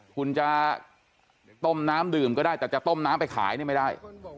คุณจะต้มน้ำดื่มก็ได้แต่จะต้มน้ำไปขายนี่ไม่ได้